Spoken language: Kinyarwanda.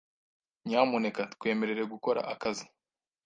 Nyamuneka twemerere gukora akazi.